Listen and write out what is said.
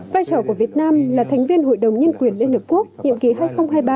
vai trò của việt nam là thành viên hội đồng nhân quyền liên hợp quốc nhiệm kỳ hai nghìn hai mươi hai nghìn hai mươi ba